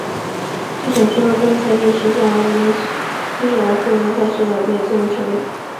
经审讯后最终裁定十项未经准许而逗留在学校内罪名成立。